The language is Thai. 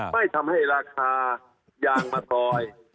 ไม่ทำให้ราคายางมะกอย